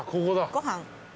ご飯。